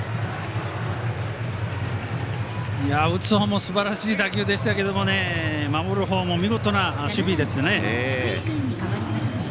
打つ方もすばらしい打球でしたが守るほうも見事な守備ですね。